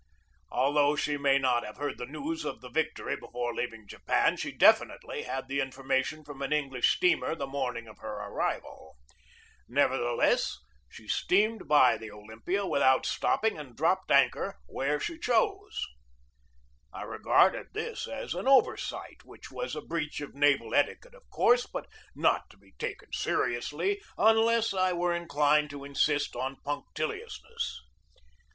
Although she may not have heard the news of the victory be fore leaving Japan, she definitely had the infor mation from an English steamer the morning of her arrival. Nevertheless, she steamed by the Olympia A PERIOD OF ANXIETY 255 without stopping and dropped anchor where she chose. I regarded this as an oversight which was a breach of naval etiquette, of course, but not to be taken seriously unless I were inclined to insist on punctiliousness.